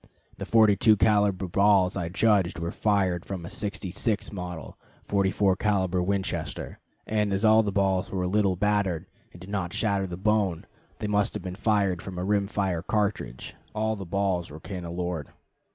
The 42 caliber balls I judged were fired from a '66 model, 44 caliber Winchester, and as all the balls were little battered and did not shatter the bone, they must have been fired from a rim fire cartridge; all the balls were cannelured.